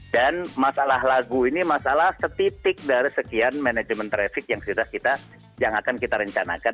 dan masalah lagu ini masalah setitik dari sekian manajemen traffic yang akan kita rencanakan